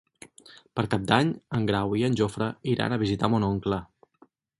Per Cap d'Any en Grau i en Jofre iran a visitar mon oncle.